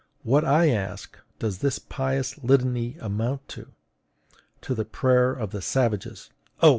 What, I ask, does this pious litany amount to? To the prayer of the savages: O!